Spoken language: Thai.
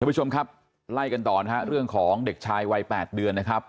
ผู้ชมครับไล่กันต่อนะฮะเรื่องของเด็กชายวัย๘เดือนนะครับ